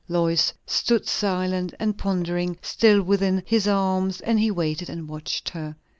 Lois stood silent and pondering, still within his arms, and he waited and watched her.